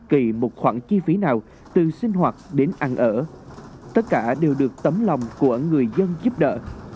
kỳ một khoản chi phí nào từ sinh hoạt đến ăn ở tất cả đều được tấm lòng của người dân giúp đỡ